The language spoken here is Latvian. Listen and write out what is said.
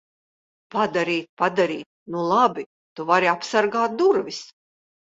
Padarīt? Padarīt? Nu labi. Tu vari apsargāt durvis.